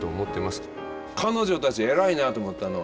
彼女たち偉いなと思ったの。